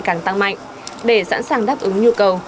để sẵn sàng tăng mạnh để sẵn sàng đáp ứng nhu cầu